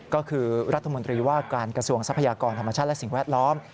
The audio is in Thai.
ก็คือรัฐมนตรีว่าการกระทรวงทรัพยากรธรรมชาติและสิ่งแวดล้อม